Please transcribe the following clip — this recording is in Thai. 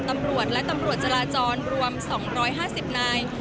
ตำรวจและตำรวจจราจรรวม๒๕๐นาย